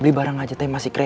beli barang aja teh masih keren